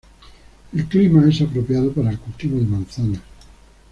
El clima es apropiado para el cultivo de manzanas.